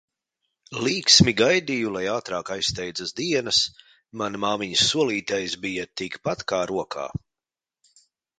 Līksmi gaidīju lai ātrāk aizsteidzas dienas, man māmiņas solītais, bija tik pat kā rokā.